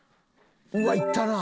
うわっいったな。